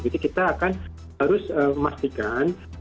jadi kita akan harus memastikan